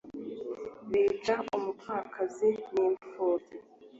bica umupfakazi n'impfubyi